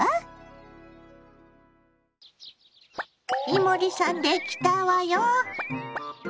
伊守さんできたわよ。